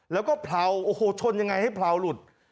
แล้วก็เผลาโอ้โหชนยังไงให้เผลาหลุด